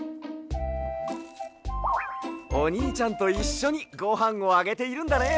おにいちゃんといっしょにごはんをあげているんだね。